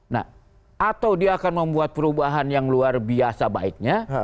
nah atau dia akan membuat perubahan yang luar biasa baiknya